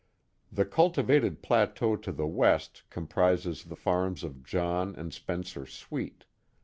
The cultivated plateau to the west comprises the farms of John and Spencer Sweet.